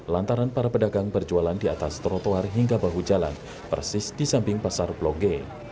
lantaran para pedagang berjualan di atas trotoar hingga bahu jalan persis di samping pasar blok g